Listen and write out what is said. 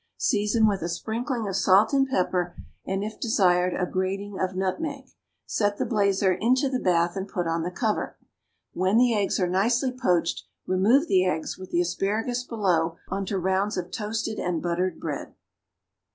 Season with a sprinkling of salt and pepper, and, if desired, a grating of nutmeg. Set the blazer into the bath and put on the cover. When the eggs are nicely poached, remove the eggs, with the asparagus below, on to rounds of toasted and buttered bread.